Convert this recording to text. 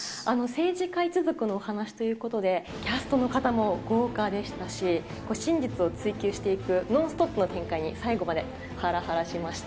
政治家一族のお話ということで、キャストの方も豪華でしたし、真実を追求していくノンストップの展開に、最後まではらはらしました。